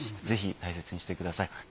ぜひ大切にしてください。